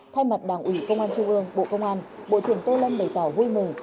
thay mặt đảng ủy công an trung ương bộ công an bộ trưởng tô lâm bày tỏ vui mừng